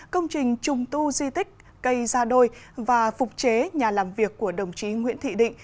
công trình trùng tu di tích cây gia đôi và phục chế nhà làm việc của đồng chí nguyễn thị định